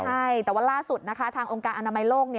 ใช่แต่ว่าล่าสุดนะคะทางองค์การอนามัยโลก